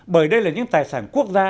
bởi đây là những tài sản quốc gia